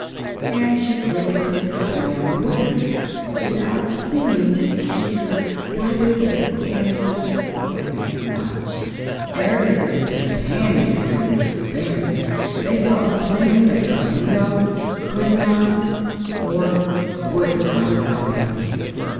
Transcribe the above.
And she gracefully swam away, without seeming to care whether they answered or not. Ervic and his companions were in despair. They saw plainly that Coo ee oh could not or would not help them.